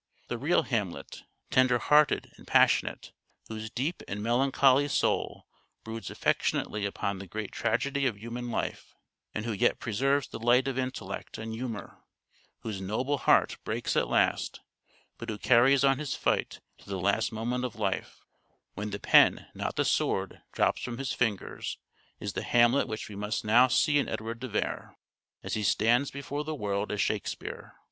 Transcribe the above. The real Hamlet, tender hearted and passionate, whose deep and melancholy soul broods affectionately upon the great tragedy of human life, and who yet preserves the light of intellect and humour, whose " noble heart " breaks at last but who carries on his fight to the last moment of life, when the pen, not the sword, drops from his fingers, is the Hamlet which we must now see in Edward de Vere, as he stands before the world as " Shakespeare."